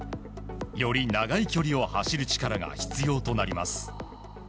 より長い距離を走る力が必要になります。